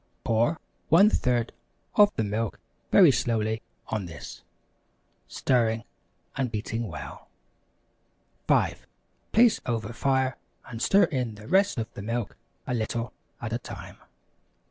Pour 1/3 of the milk very slowly on this, stirring and beating well. 5. Place over fire and stir in the rest of the milk a little at a time.